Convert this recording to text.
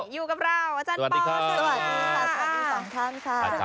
อยู่กับเราอาจารย์ปอนส์สวัสดีค่ะ